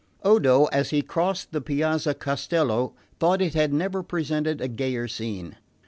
Odo, as he crossed the Piazza Castello, thought it had never presented a gayer scene.